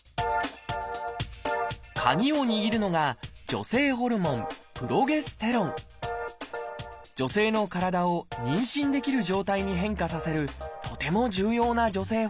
カギを握るのが女性ホルモン女性の体を妊娠できる状態に変化させるとても重要な女性ホルモンです